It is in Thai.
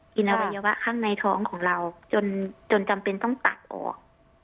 อวัยวะข้างในท้องของเราจนจำเป็นต้องตัดออก